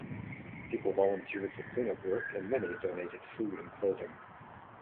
People volunteered for cleanup work and many donated food and clothing.